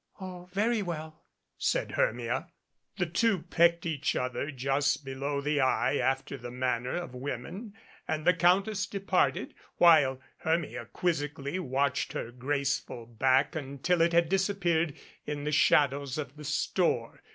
"Oh, very well," said Hermia. The two pecked each other just below the eye after the manner of women and the Countess departed, while Hermia quizzically watched her graceful back until it had disappeared in the shadows of the store.